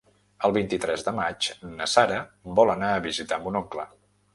El vint-i-tres de maig na Sara vol anar a visitar mon oncle.